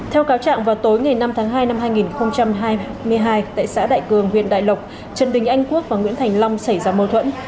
theo cáo trạng vào tối ngày năm tháng hai năm hai nghìn hai mươi hai tại xã đại cường huyện đại lộc trần đình anh quốc và nguyễn thành long xảy ra mâu thuẫn